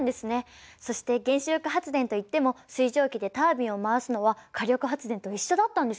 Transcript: そして原子力発電といっても水蒸気でタービンを回すのは火力発電と一緒だったんですね。